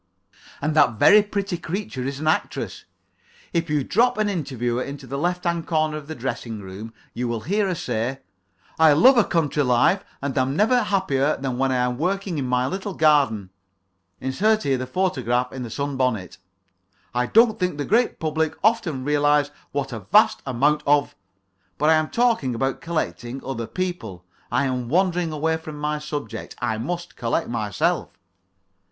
"And that very pretty creature is an actress; if you drop an interviewer into the left hand corner of the dressing room you will hear her say: 'I love a country life, and am never happier than when I am working in my little garden,' insert here the photograph in the sun bonnet 'I don't think the great public often realizes what a vast amount of '" But I am talking about collecting other people. I am wandering from my subject. I must collect myself.